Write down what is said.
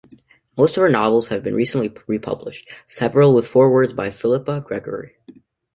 Most of her novels have been recently republished, several with forewords by Philippa Gregory.